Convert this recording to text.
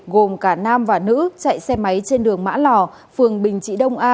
gồm cả nam và nữ chạy xe máy trên đường mã lò phường bình trị đông a